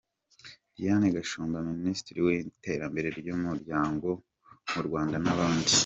Diane Gashumba, Minisitiri w’iterambere ry’umuryango mu Rwanda n’abandi.